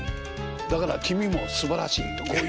だから君もすばらしい」とこう言って。